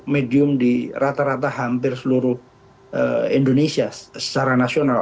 medium di rata rata hampir seluruh indonesia secara nasional